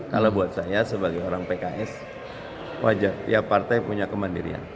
kalau buat saya sebagai orang pks wajar ya partai punya kemandirian